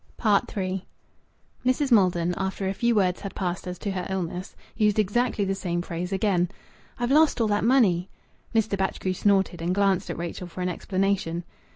III Mrs. Maldon, after a few words had passed as to her illness, used exactly the same phrase again "I've lost all that money!" Mr. Batchgrew snorted, and glanced at Rachel for an explanation.